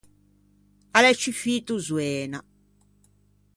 A l’é ciufito zoena.